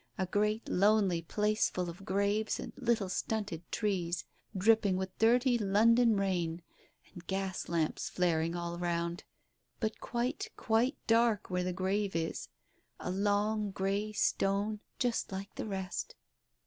A great lonely place full of graves, and little stunted trees dripping with dirty London rain ... and gas lamps flaring all round ... but quite, quite dark where the grave is ... a long grey stone just like the rest.